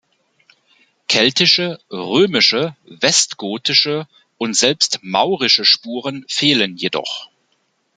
Keltische, römische, westgotische und selbst maurische Spuren fehlen jedoch.